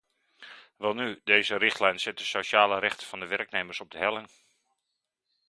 Welnu, deze richtlijn zet de sociale rechten van de werknemers op de helling.